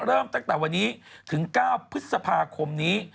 เริ่มตั้งแต่วันนี้ถึง๙พฤษภาคมนี้